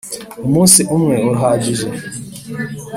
Umunsi umwe urahagije.